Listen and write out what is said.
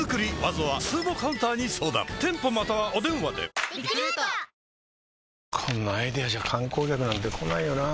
ダイハツこんなアイデアじゃ観光客なんて来ないよなあ